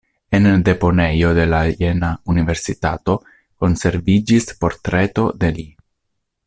En deponejo de la Jena-universitato konserviĝis portreto de li.